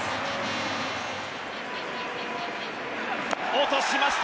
落としました。